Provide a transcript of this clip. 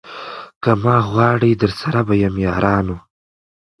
که ما غواړی درسره به یم یارانو